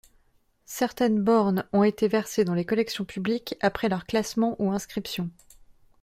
Certaines bornes ont été versées dans les collections publiques après leur classement ou inscription.